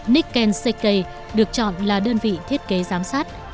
nikken seikei được chọn là đơn vị thiết kế giám sát